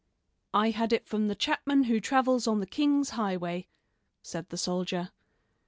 "I had it from the chapman who travels on the king's highway," said the soldier.